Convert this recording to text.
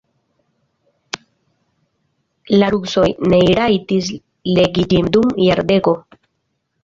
La rusoj ne rajtis legi ĝin dum jardeko.